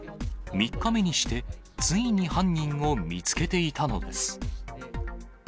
３日目にして、ついに犯人を見つけていたのです。